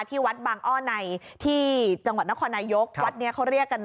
ที่วัดบางอ้อในที่จังหวัดนครนายกวัดนี้เขาเรียกกัน